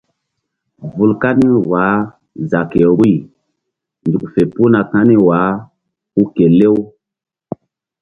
Vul kani wah za ke vbuyzuk fe puhna kani wah hu kelew.